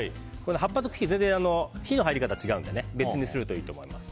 葉っぱと茎火の入り方が違うので別にするといいと思います。